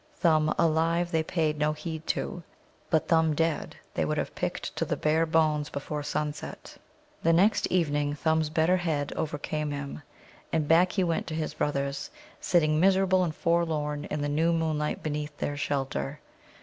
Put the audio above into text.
Thumb alive they paid no heed to, but Thumb dead they would have picked to the bare bones before sunset. The next evening Thumb's better head overcame him, and back he went to his brothers, sitting miserable and forlorn in the new moonlight beneath their shelter.